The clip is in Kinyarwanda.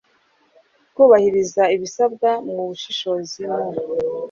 kubahiriza ibisabwa mu bushishozi mu